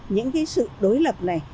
những cái sự đối lập này